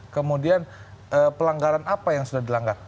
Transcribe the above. kemudian pelanggaran apa yang sudah dilanggar